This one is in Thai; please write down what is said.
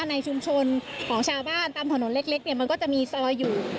ในชุมชนของชาวบ้านตามถนนเล็กเนี่ยมันก็จะมีซอยอยู่